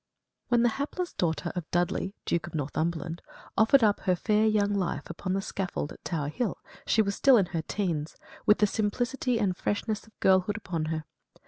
When the hapless daughter of Dudley, Duke of Northumberland, offered up her fair young life upon the scaffold at Tower Hill she was still in her "teens" with the simplicity and freshness of girlhood upon her.